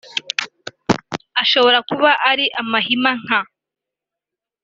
ngo ashobora kuba ari amahima nka